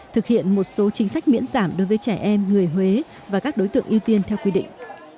thực hiện một số chính sách miễn giảm đối với trẻ em người huế và các đối tượng ưu tiên theo quy định